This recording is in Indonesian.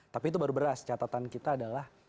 tapi itu baru beras catatan kita adalah